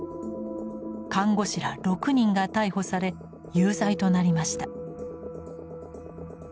看護師ら６人が逮捕され有罪となりました。